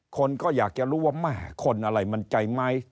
คนก็อยากจะรู้ว่าแม่คนอะไรมันใจไหม